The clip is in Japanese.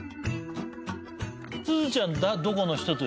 すずちゃんどこの人と。